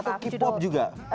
atau k pop juga